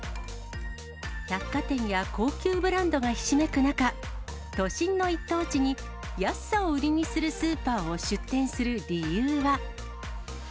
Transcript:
百貨店や高級ブランドがひしめく中、都心の一等地に安さを売りにするスーパーを出店する理由は。